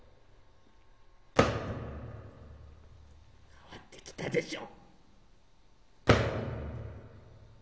かわってきたでしょ。